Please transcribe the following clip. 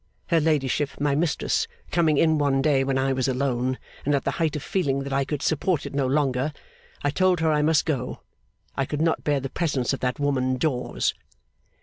Her ladyship, my Mistress, coming in one day when I was alone, and at the height of feeling that I could support it no longer, I told her I must go. I could not bear the presence of that woman Dawes.